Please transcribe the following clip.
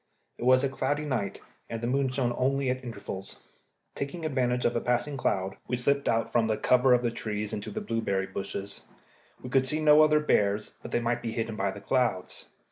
It was a cloudy night, and the moon shone only at intervals. Taking advantage of a passing cloud, we slipped out from the cover of the trees into the berry bushes. We could see no other bears, but they might be hidden by the clouds.